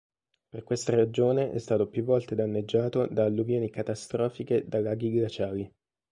Per questa ragione è stato più volte danneggiato da alluvioni catastrofiche da laghi glaciali.